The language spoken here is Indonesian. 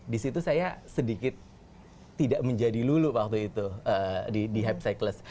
disitu saya sedikit tidak menjadi lulu waktu itu di hype cycles